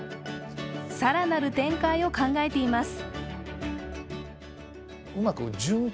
更なる展開を考えています。